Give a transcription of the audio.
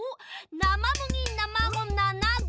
なまむぎなまごななご。